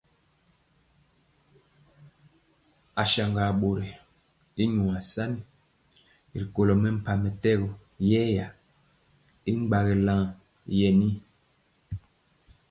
Asaŋga bori y nyuasani ri kolo mempah mɛtɛgɔ yɛya y gbagi lan yenir.